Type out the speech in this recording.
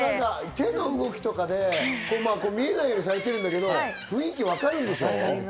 手の動きとか見えないようにされてるんだけど、雰囲気がわかるんでしょ。